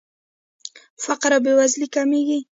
فقر او بېوزلي کمیږي.